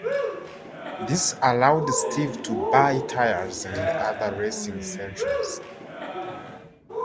This allowed Steve to buy tires and other racing essentials.